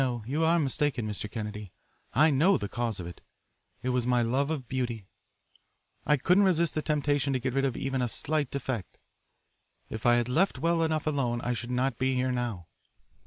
"No, you are mistaken, Mr. Kennedy. I know the cause of it. It was my love of beauty. I couldn't resist the temptation to get rid of even a slight defect. If I had left well enough alone I should not be here now.